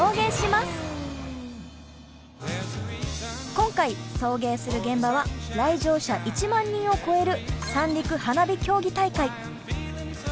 今回送迎する現場は来場者１万人を超える三陸花火競技大会。